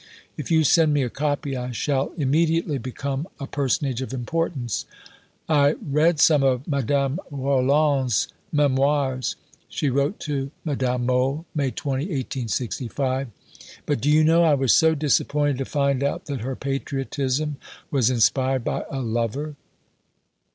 If you send me a copy, I shall immediately become a personage of importance." "I read some of Madame Roland's Memoires," she wrote to Madame Mohl (May 20, 1865): "but, do you know, I was so disappointed to find out that her patriotism was inspired by a lover.